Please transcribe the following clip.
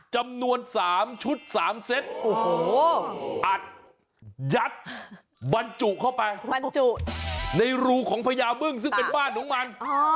๐๙จำนวน๓ชุด๓เซ็ตอัดยัดบรรจุเข้าไปในรูของพญาเบื้องซึ่งเป็นบ้านของมัน